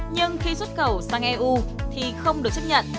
nhưng khi xuất khẩu sang eu thì không được chấp nhận